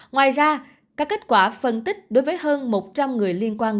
ngoài ra các kết quả phân tích đối với hơn một trăm linh người liên quan